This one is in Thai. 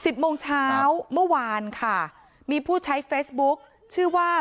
ขอรุณราซขอแนดอากไล่แบบนั้นนะครับ